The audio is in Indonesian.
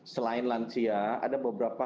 selain lansia ada beberapa